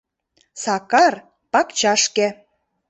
Сакар — пакчашке.